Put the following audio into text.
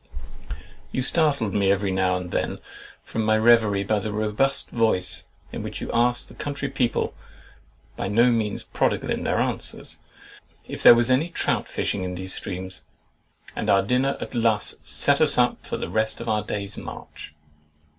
] You startled me every now and then from my reverie by the robust voice, in which you asked the country people (by no means prodigal of their answers)—"If there was any trout fishing in those streams?"—and our dinner at Luss set us up for the rest of our day's march.